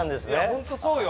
ホントそうよ